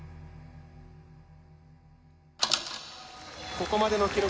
ここまでの記録